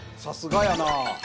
さすがやな。